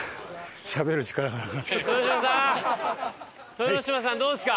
豊ノ島さんどうですか？